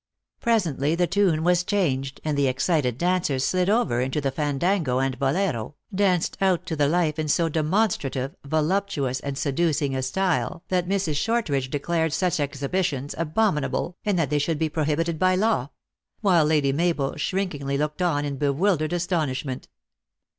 Presently the tune was changed, and the excited dancers slid over into the fandango and volero, danced out to the life in so demonstrative, voluptuous and seducing a style, that Mrs. Shortridge declared such exhibitions abominable, and that they should be pro hibited by law ; while Lady Mabel shrinkingly looked on in bewildered astonishment.